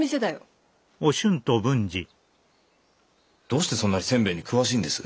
どうしてそんなに煎餅に詳しいんです？